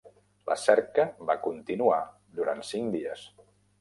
La cerca va continuar durant cinc dies.